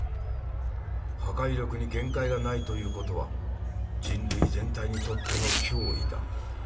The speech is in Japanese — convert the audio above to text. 破壊力に限界がないということは人類全体にとっての脅威だ」。